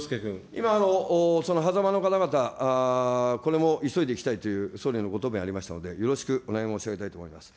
今、はざまの方々、これも急いでいきたいという総理のご答弁ありましたので、よろしくお願い申し上げたいと思います。